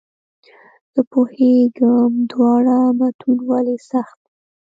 زه پوهېږم دواړه متون ولې سخت دي.